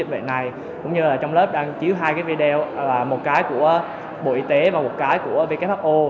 đã đăng ký hai video một cái của bộ y tế và một cái của bkho